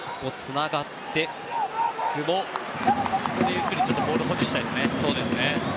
ゆっくりボールを保持したいですね。